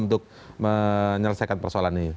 untuk menyelesaikan persoalan ini